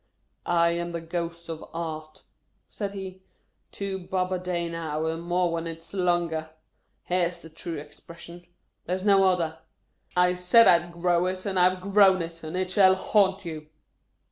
" I am the Ghost of Art," said he. " Two bob a day now, and more when its longer ! Hair 's the true expression. There is no other. I SAID I 'D GROW IT, AND I 'VE GROWN IT, AND IT SHALL HAUNT YOU